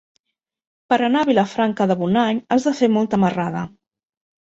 Per anar a Vilafranca de Bonany has de fer molta marrada.